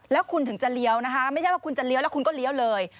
แล้วคุณถึงจะเลี้ยวนะคะไม่ใช่ว่าคุณจะเลี้ยวแล้วคุณก็เลี้ยวเลย